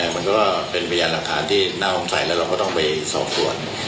มันก็เป็นพยานราคาที่น่าต้องใจแล้วเราต้องไปสอบส่วน